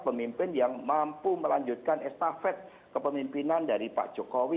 pemimpin yang mampu melanjutkan estafet kepemimpinan dari pak jokowi